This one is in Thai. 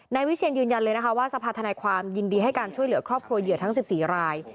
วิเชียนยืนยันเลยนะคะว่าสภาธนาความยินดีให้การช่วยเหลือครอบครัวเหยื่อทั้ง๑๔ราย